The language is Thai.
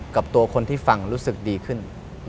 กับตัวคนที่ฟังรู้สึกดีขึ้น